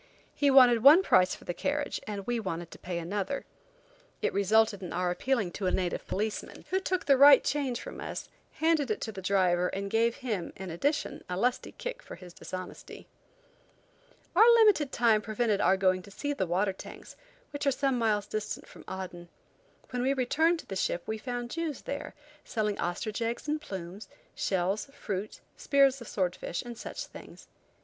He wanted one price for the carriage and we wanted to pay another. It resulted in our appealing to a native policeman, who took the right change from us, handed it to the driver, and gave him, in addition, a lusty kick for his dishonesty. Our limited time prevented our going to see the water tanks, which are some miles distant from Aden. When we returned to the ship we found Jews there, selling ostrich eggs and plumes, shells, fruit, spears of sword fish, and such things.